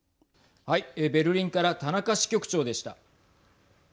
ベルリンから田中支局長でした。